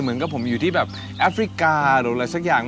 เหมือนกับผมอยู่ที่แบบแอฟริกาหรืออะไรสักอย่าง